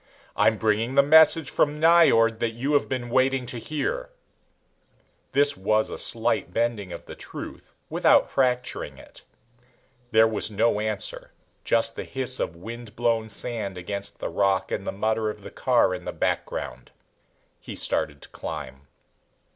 I'm bringing the message from Nyjord that you have been waiting to hear." This was a slight bending of the truth without fracturing it. There was no answer just the hiss of wind blown sand against the rock and the mutter of the car in the background. He started to climb.